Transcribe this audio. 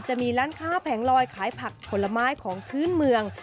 จะมีร้านค้าแผงลอยขายผักผลไม้ของพื้นเมือง